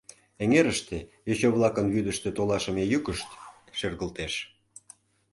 Эҥерыште йоча-влакын вӱдыштӧ толашыме йӱкышт шергылтеш.